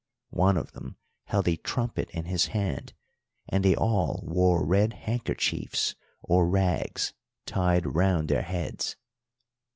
One of them held a trumpet in his hand, and they all wore red handkerchiefs or rags tied round their heads.